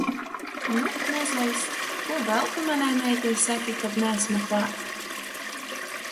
Nu, mazais, ko vēl tu manai meitai saki, kad neesmu klāt?